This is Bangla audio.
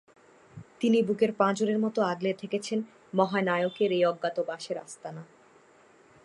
তিনি বুকের পাঁজরের মতো আগলে থেকেছেন মহানায়কের এই অজ্ঞাতবাসের আস্তানা।